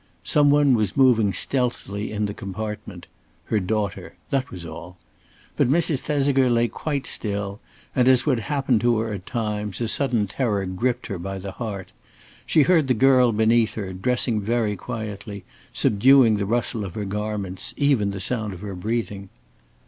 Some one was moving stealthily in the compartment her daughter. That was all. But Mrs. Thesiger lay quite still, and, as would happen to her at times, a sudden terror gripped her by the heart. She heard the girl beneath her, dressing very quietly, subduing the rustle of her garments, even the sound of her breathing.